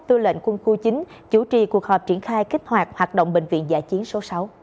tư lệnh quân khu chín chủ trì cuộc họp triển khai kích hoạt hoạt động bệnh viện giả chiến số sáu